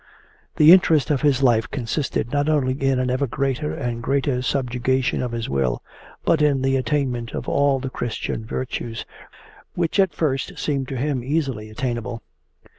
The interest of his life consisted not only in an ever greater and greater subjugation of his will, but in the attainment of all the Christian virtues, which at first seemed to him easily attainable.